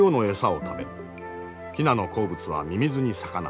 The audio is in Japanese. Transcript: ヒナの好物はミミズに魚。